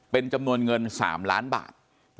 เป็นจำนวนเงิน๓ล้านบาท